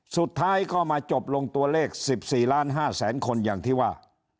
สุดท้ายก็มาจบลงตัวเลข๑๔ล้าน๕แสนคนอย่างที่ว่า